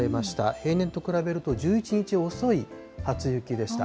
平年と比べると１１日遅い初雪でした。